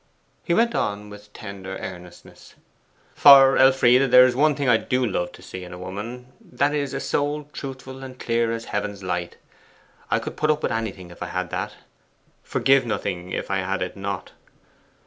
He went on with tender earnestness: 'For, Elfride, there is one thing I do love to see in a woman that is, a soul truthful and clear as heaven's light. I could put up with anything if I had that forgive nothing if I had it not.